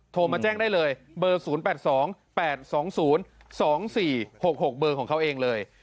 โทรมาแจ้งได้เลยเบอร์๐๘๒๘๒๐๒๔๖๖เบอร์ของเขาเองเลย